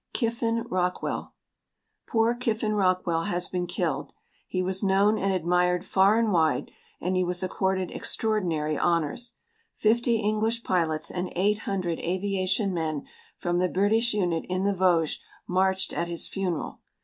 KIFFIN ROCKWELL Poor Kiffin Rockwell has been killed. He was known and admired far and wide, and he was accorded extraordinary honours. Fifty English pilots and eight hundred aviation men from the British unit in the Vosges marched at his funeral.